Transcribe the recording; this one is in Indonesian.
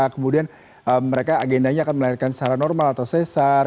kemudian mereka agendanya akan melahirkan secara normal atau sesar